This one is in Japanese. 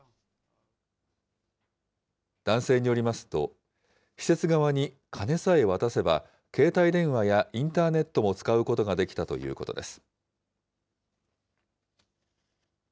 男性によりますと、施設側に金さえ渡せば、携帯電話やインターネットも使うことができたということです。